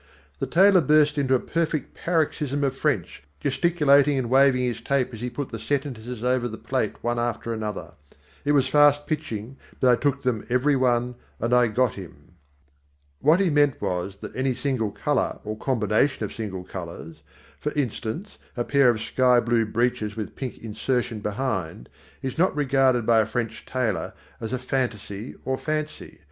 The tailor burst into a perfect paroxysm of French, gesticulating and waving his tape as he put the sentences over the plate one after another. It was fast pitching, but I took them every one, and I got him. What he meant was that any single colour or combination of single colours for instance, a pair of sky blue breeches with pink insertion behind is not regarded by a French tailor as a fantaisie or fancy.